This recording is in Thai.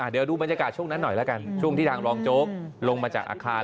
เดี๋ยวดูบรรยากาศช่วงนั้นหน่อยละกันช่วงที่ทางรองโจ๊กลงมาจากอาคาร